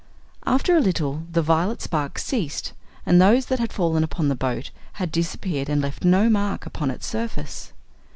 After a little the violet sparks ceased, and those that had fallen upon the boat had disappeared and left no mark upon its surface.